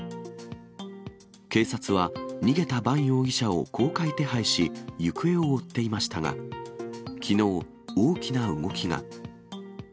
警察は、逃げたバン容疑者を公開手配し、行方を追っていましたが、きのう、大きな動きが。